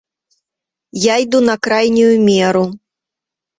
Я іду на крайнюю меру.